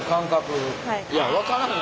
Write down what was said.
いや分からへん。